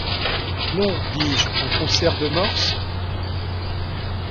Non, dis-je, un concert de morses.